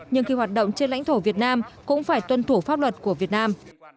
nhưng khi hoạt động trên lãnh thổ việt nam cũng phải tuân thủ pháp luật của việt nam